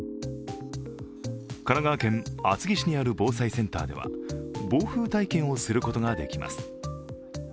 神奈川県厚木市にある防災センターでは、暴風体験をすることができます。